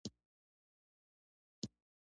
تولنیز او چلندیز جوړښت هم پکې شامل دی.